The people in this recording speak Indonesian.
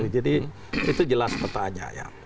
jadi itu jelas pertanyaan